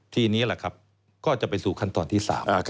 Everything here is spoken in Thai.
ทีนี้ก็จะไปสู่ขั้นตอนที่๓